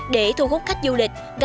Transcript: để thu hút khách du lịch